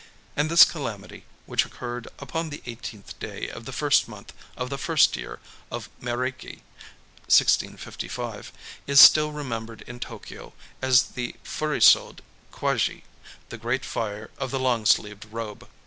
And this calamity, which occurred upon the eighteenth day of the first month of the first year of Meiréki (1655), is still remembered in Tōkyō as the Furisodé Kwaji,—the Great Fire of the Long sleeved Robe.